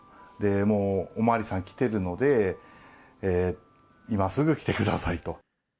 もうおまわりさん来てるので、今すぐ来てくださいと。